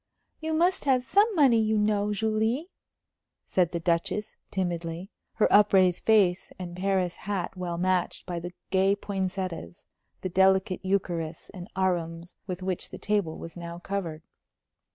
"You must have some money, you know, Julie," said the Duchess, timidly, her upraised face and Paris hat well matched by the gay poinsettias, the delicate eucharis and arums with which the table was now covered.